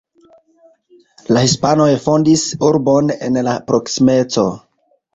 La hispanoj fondis urbon en la proksimeco.